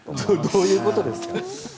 どういうことですか？